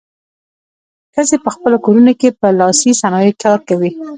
ښځې په خپلو کورونو کې په لاسي صنایعو کار کوي.